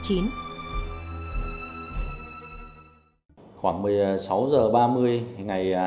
trình báo về việc bạn mình đã mất tích hơn một ngày sau tin nhắn cuối cùng vào đêm hai mươi sáu tháng chín